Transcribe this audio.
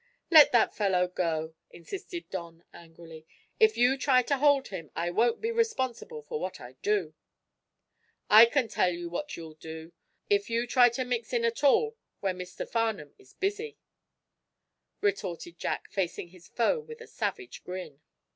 "Let that fellow go!" insisted Don, angrily. "If you try to hold him, I won't be responsible for what I do!" "I can tell you what you'll do, if you try to mix in at all where Mr. Farnum is busy," retorted Jack, facing his foe with a savage grin.